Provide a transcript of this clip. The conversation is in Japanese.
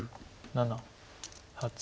７８。